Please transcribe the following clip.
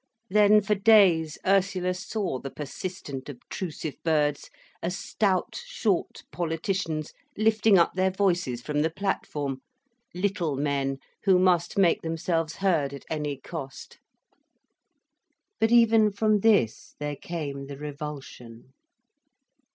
Then for days, Ursula saw the persistent, obtrusive birds as stout, short politicians lifting up their voices from the platform, little men who must make themselves heard at any cost. But even from this there came the revulsion.